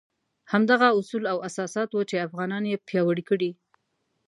همدغه اصول او اساسات وو چې افغانان یې پیاوړي کړي.